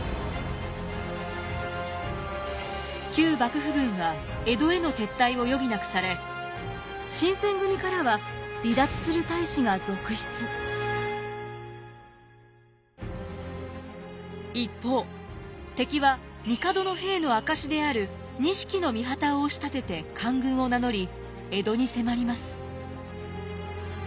旧幕府軍は江戸への撤退を余儀なくされ一方敵は帝の兵の証しである錦の御旗を押し立てて官軍を名乗り江戸に迫ります。